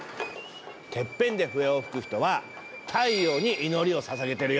てっぺんで笛を吹く人は太陽に祈りをささげてるよ。